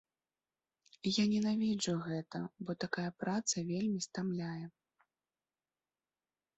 Я ненавіджу гэта, бо такая праца вельмі стамляе.